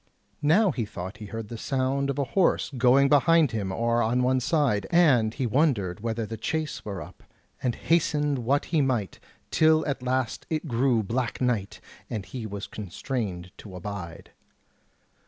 Now he thought he heard the sound of a horse going behind him or on one side, and he wondered whether the chace were up, and hastened what he might, till at last it grew black night, and he was constrained to abide.